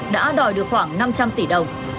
đã đòi được khoảng năm trăm linh tỷ đồng